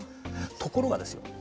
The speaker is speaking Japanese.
ところがですよ。